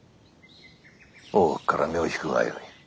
大奥から身を引くがよい。